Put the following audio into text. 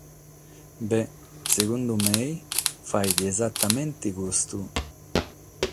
Beh, sicunde mene, faghet esatamente custu.